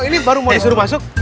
ini baru mau disuruh masuk